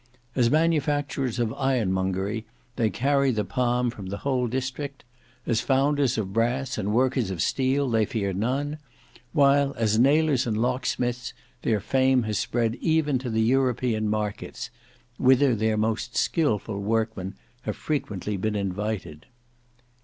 As manufacturers of ironmongery, they carry the palm from the whole district; as founders of brass and workers of steel, they fear none; while as nailers and locksmiths, their fame has spread even to the European markets, whither their most skilful workmen have frequently been invited.